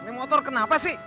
ini motor kenapa sih